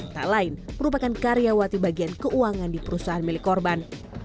tak lain merupakan karyawati bagian keuangan di perusahaan milik korban